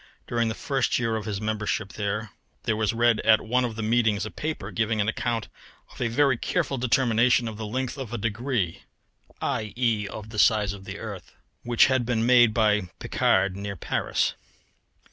During the first year of his membership there was read at one of the meetings a paper giving an account of a very careful determination of the length of a degree (i.e. of the size of the earth), which had been made by Picard near Paris.